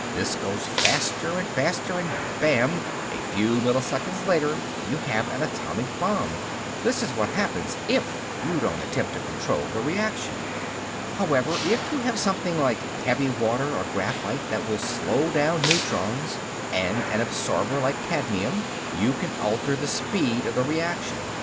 This goes on faster and faster and bam, a few milliseconds later you have an atomic bomb. This is what happens if you don't attempt to control the reaction. "However, if you have something like heavy water or graphite that will slow down neutrons and an absorber like cadmium, you can alter the speed of the reaction.